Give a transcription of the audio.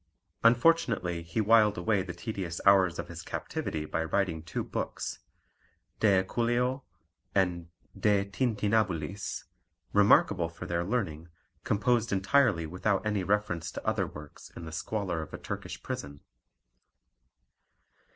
Unfortunately he whiled away the tedious hours of his captivity by writing two books, De equuleo and De tintinnabulis, remarkable for their learning, composed entirely without any reference to other works in the squalor of a Turkish prison.